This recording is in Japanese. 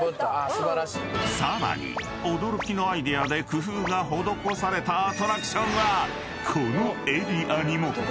［さらに驚きのアイデアで工夫が施されたアトラクションはこのエリアにも］